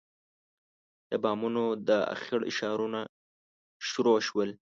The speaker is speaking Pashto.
د بامونو د اخېړ اشارونه شروع شول.